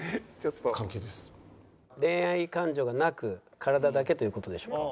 「恋愛感情がなく体だけという事でしょうか？」。